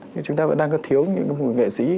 nhưng chúng ta vẫn đang có thiếu những người nghệ sĩ